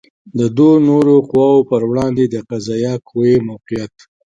د دوو نورو قواوو پر وړاندې د قضائیه قوې موقعیت